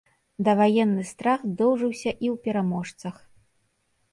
Даваенны страх доўжыўся і ў пераможцах.